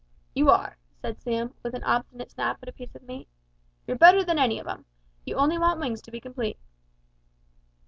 "You are," said Sam, with an obstinate snap at a piece of meat; "you're better than any of 'em. You only want wings to be complete."